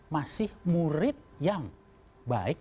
masih murid yang baik